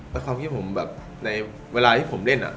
แล้วความคิดผมแบบในเวลาที่ผมเล่น